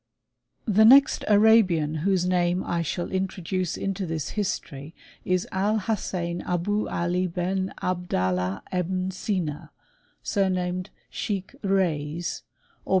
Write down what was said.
* The next Arabian whose name I shall introduce into this history, is Al Hassain Abou Ali Ben Abdal lah Ebn Sina, sumamed Scheik Reyes, or.